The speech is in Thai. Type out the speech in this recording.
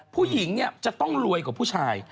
ผู้หญิงเนี่ยจะต้องรวยกว่าผู้ชาย